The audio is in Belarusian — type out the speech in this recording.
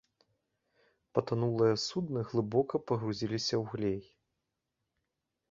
Патанулыя судны глыбока пагрузіліся ў глей.